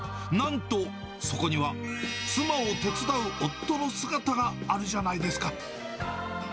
なんと、そこには妻を手伝う夫の姿があるじゃないですか。